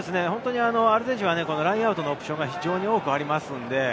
アルゼンチンはラインアウトのオプションが非常に多くあります。